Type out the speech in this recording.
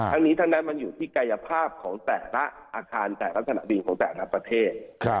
ทั้งนี้ทั้งนั้นมันอยู่ที่กายภาพของแต่ละอาคารแต่ละสนามบินของแต่ละประเทศ